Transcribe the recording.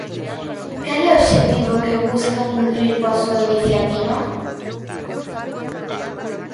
Cal é o obxectivo que busca cumprir coa súa iniciativa?